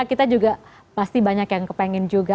kita juga pasti banyak yang kepengen juga